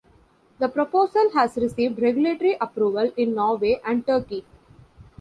The proposal has received regulatory approval in Norway and Turkey.